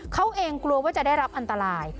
เขาเองกลัวว่าจะได้รับอันตราย